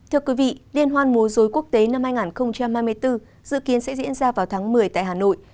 thưa quý vị điện hoan mua rối quốc tế năm hai nghìn hai mươi bốn dự kiến sẽ diễn ra vào tháng một mươi tại hà nội